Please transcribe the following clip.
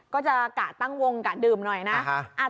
ก็จะกะตั้งวงกะดื่มหน่อยนะ